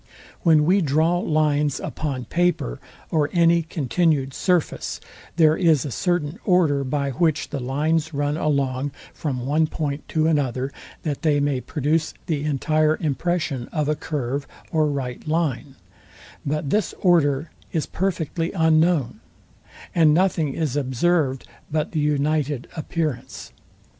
When we draw lines upon paper, or any continued surface, there is a certain order, by which the lines run along from one point to another, that they may produce the entire impression of a curve or right line; but this order is perfectly unknown, and nothing is observed but the united appearance.